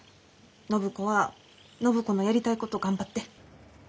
暢子は暢子のやりたいことを頑張って。